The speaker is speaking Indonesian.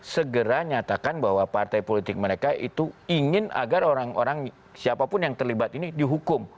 segera nyatakan bahwa partai politik mereka itu ingin agar orang orang siapapun yang terlibat ini dihukum